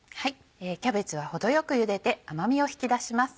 キャベツは程よく茹でて甘みを引き出します。